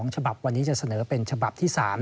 ฉบับวันนี้จะเสนอเป็นฉบับที่๓